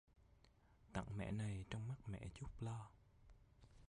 Tặng mẹ này trong mắt mẹ chút lo